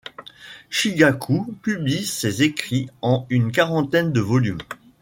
Chigaku publie ses écrits en une quarantaine de volumes.